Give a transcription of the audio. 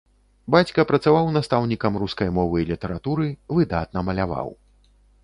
Бацька працаваў настаўнікам рускай мовы і літаратуры, выдатна маляваў.